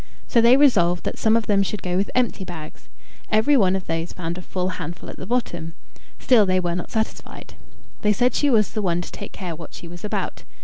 So they resolved that some of them should go with empty bags. Every one of those found a full handful at the bottom. Still they were not satisfied. They said she was the one to take care what she was about.